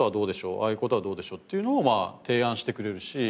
ああいう事はどうでしょう？っていうのを提案してくれるし。